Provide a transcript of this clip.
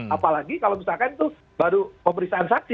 apalagi kalau misalkan itu baru pemeriksaan saksi